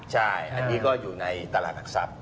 ใช่อันนี้ก็อยู่ในตลาดหลักทรัพย